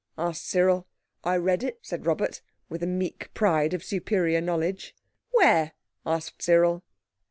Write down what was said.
asked Cyril. "I read it," said Robert, with the meek pride of superior knowledge. "Where?" asked Cyril.